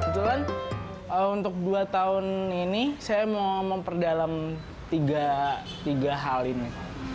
kebetulan untuk dua tahun ini saya mau memperdalam tiga hal ini